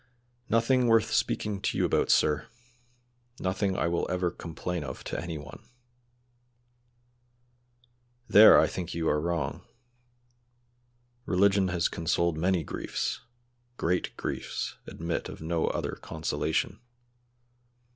"Nothing worth speaking to you about, sir; nothing I will ever complain of to any one." "There I think you are wrong; religion has consoled many griefs; great griefs admit of no other consolation.